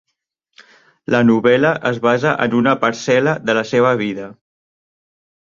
La novel·la es basa en una parcel·la de la seva vida.